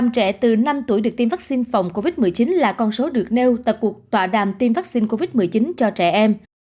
chín mươi trẻ từ năm tuổi được tiêm vắc xin phòng covid một mươi chín là con số được nêu tại cuộc tọa đàm tiêm vắc xin covid một mươi chín cho trẻ em